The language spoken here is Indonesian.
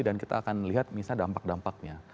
dan kita akan melihat misalnya dampak dampaknya